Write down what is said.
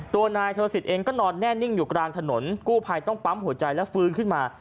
ตัวนายชนสิทธิเองก็นอนแน่นิ่งอยู่กลางถนนกู้ภัยต้องปั๊มหัวใจและฟื้นขึ้นมา